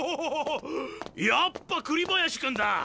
やっぱ栗林君だ。